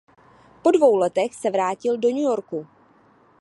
Po dvou letech se vrátil do New Yorku.